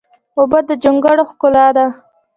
اوبه د جونګړو ښکلا ده.